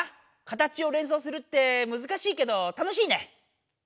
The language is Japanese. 形をれんそうするってむずかしいけど楽しいね。